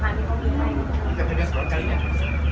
ครับเป็นเกี่ยวกับภูมิบ้างเลยอะครับ